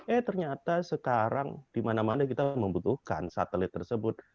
eh ternyata sekarang dimana mana kita membutuhkan satelit tersebut